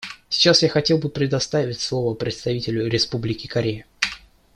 Сейчас я хотел бы предоставить слово представителю Республики Корея.